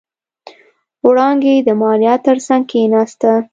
وړانګې د ماريا تر څنګ کېناسته.